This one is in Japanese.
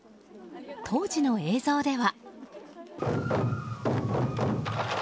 当時の映像では。